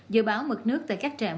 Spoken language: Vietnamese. dự báo mực nước tại các trạm